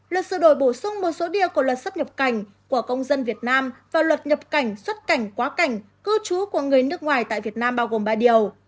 luật sửa đổi bổ sung một số điều của luật xuất nhập cảnh của công dân việt nam và luật nhập cảnh xuất cảnh quá cảnh cư trú của người nước ngoài tại việt nam bao gồm ba điều